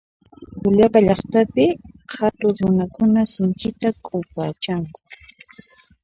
Juliaca llaqtapi qhatuq runakuna sinchita q'upachanku